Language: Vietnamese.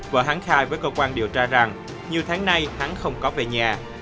vợ hắn khai với cơ quan điều tra rằng nhiều tháng nay hắn không có về nhà